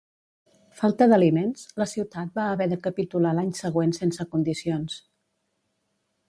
Falta d'aliments, la ciutat va haver de capitular l'any següent sense condicions.